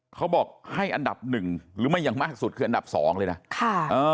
เขาบอกให้อันดับหนึ่งหรือไม่อย่างมากสุดคืออันดับสองเลยนะค่ะ